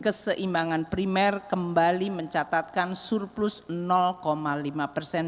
kembali mencapai kondisi fiskal defisit apbn dan kembali mencapai kondisi fiskal defisit apbn dan kembali mencapai kembali mencapai